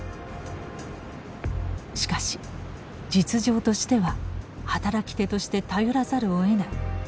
しかし「実情としては働き手として頼らざるをえない」。